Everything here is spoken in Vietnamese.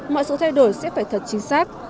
mọi sự thay đổi sẽ phải thật chính xác